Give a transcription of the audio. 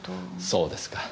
そうですか。